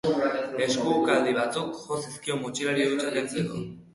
Esku ukaldi batzuk jo zizkion motxilari hautsa kentzeko.